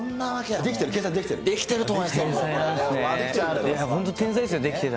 できていると思いますよ。